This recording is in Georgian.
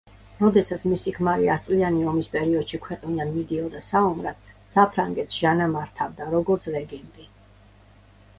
როდესაც მისი ქმარი ასწლიანი ომის პერიოდში ქვეყნიდან მიდიოდა საომრად, საფრანგეთს ჟანა მართავდა, როგორც რეგენტი.